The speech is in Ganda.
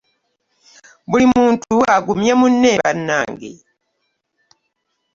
Buli muntu agumye munne banange.